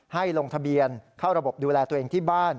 ให้ลงทะเบียนเข้าระบบดูแลตัวเองที่บ้าน